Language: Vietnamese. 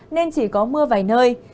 nên chỉ có mưa vài nơi